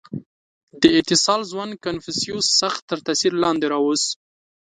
• دې اتصال ځوان کنفوسیوس سخت تر تأثیر لاندې راوست.